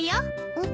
うん？